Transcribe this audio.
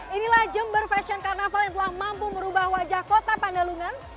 inilah jember fashion carnaval yang telah mampu merubah wajah kota pandalungan